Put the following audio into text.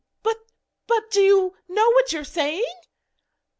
'But but, do you know what you are saying?'